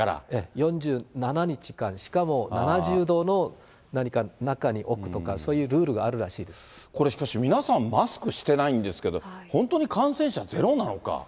４７日間、しかも７０度の、何か中に置くとか、これ、しかし皆さん、マスクしてないんですけど、本当に感染者ゼロなのか。